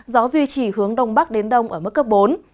gió duy trì hướng đông bắc đến đông ở mức cấp bốn